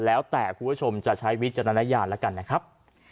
แล้วแต่คุณผู้ชมจะใช้วิจารณญาณแล้วกันนะครับ